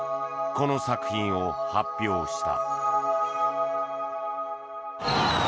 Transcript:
この作品を発表した。